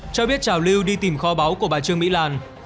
cho biết trào lưu đi tìm kho báu của bà trương mỹ lan đã bị phá hủy